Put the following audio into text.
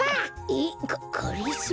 えっ？ががりぞー？